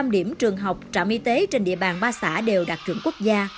một trăm linh điểm trường học trạm y tế trên địa bàn ba xã đều đạt chuẩn quốc gia